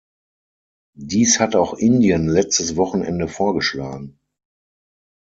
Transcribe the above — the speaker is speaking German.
Dies hat auch Indien letztes Wochenende vorgeschlagen.